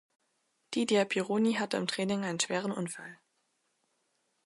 Didier Pironi hatte im Training einen schweren Unfall.